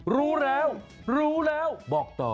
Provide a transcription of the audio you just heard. รู้แล้วรู้แล้วบอกต่อ